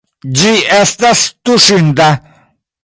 Ĝi estas tuŝinda.